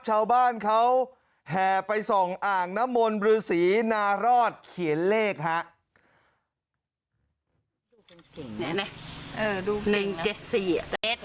ชาวบ้านเขาแห่ไปส่องอ่างน้ำมนต์บรือศรีนารอดเขียนเลขฮะ